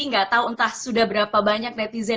nggak tahu entah sudah berapa banyak netizen